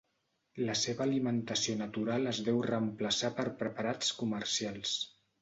La seva alimentació natural es deu reemplaçar per preparats comercials.